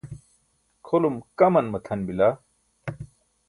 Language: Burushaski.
kʰolum kaman matʰan bila